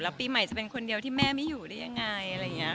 แล้วปีใหม่จะเป็นคนเดียวที่แม่ไม่อยู่ได้ยังไง